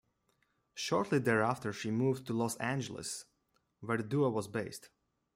Shortly thereafter she moved to Los Angeles where the duo was based.